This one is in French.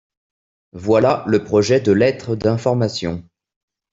voilà le projet de lettre d'information.